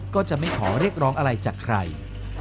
ก็จะไม่ขอเรียกร้องอะไรจากใคร